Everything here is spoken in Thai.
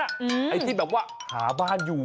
ไอ้ที่แบบว่าหาบ้านอยู่